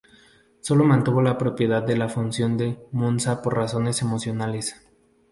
Solo mantuvo la propiedad de la fundición de Monza por razones emocionales.